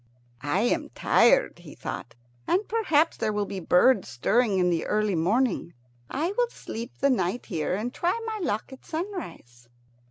"I am tired," he thought, "and perhaps there will be birds stirring in the early morning. I will sleep the night here, and try my luck at sunrise."